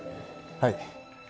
はい